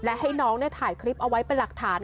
และให้น้องถ่ายคลิปเอาไว้เป็นหลักฐาน